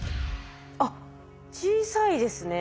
あっ小さいですね。